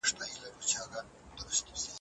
د لویې جرګي لپاره غړي څوک ټاکي؟